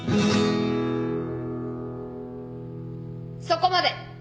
そこまで。